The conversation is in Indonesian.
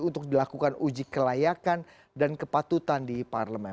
untuk dilakukan uji kelayakan dan kepatutan di parlemen